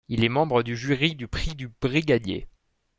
Il est membre du jury du Prix du Brigadier.